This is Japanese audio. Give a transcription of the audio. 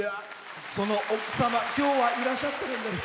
その奥様、きょうはいらっしゃってるんですか？